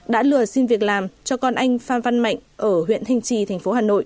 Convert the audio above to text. đã lừa xin việc làm cho con anh phan văn mạnh ở huyện thanh trì thành phố hà nội